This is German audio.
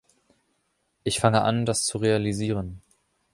Ich fange an, das zu realisieren.